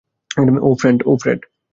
ওহ, Fred.